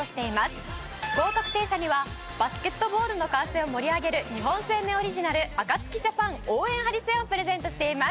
高得点者にはバスケットボールの観戦を盛り上げる日本生命オリジナルＡＫＡＴＳＵＫＩＪＡＰＡＮ応援ハリセンをプレゼントしています。